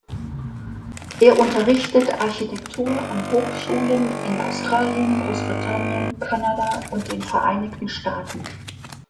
Er unterrichtet Architektur an Hochschulen in Australien, Großbritannien, Kanada und den Vereinigten Staaten.